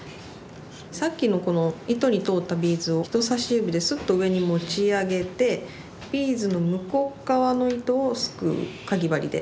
さっきの糸に通ったビーズを人さし指ですっと上に持ち上げてビーズの向こう側の糸をすくうかぎ針で。